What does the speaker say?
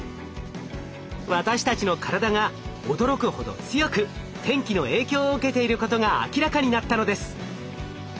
私たちの体が驚くほど強く天気の影響を受けていることが明らかになったのです。